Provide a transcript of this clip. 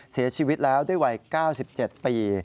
เสียชีวิตแล้วด้วยวัย๙๗ปี